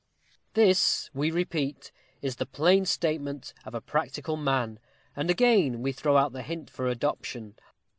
" This, we repeat, is the plain statement of a practical man, and again we throw out the hint for adoption.